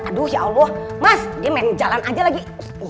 aduh ya allah mas dia menjalan aja lagi